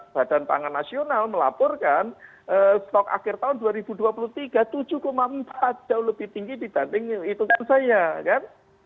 badan pangan nasional melaporkan stok akhir tahun dua ribu dua puluh tiga tujuh empat jauh lebih tinggi dibanding hitungan saya kan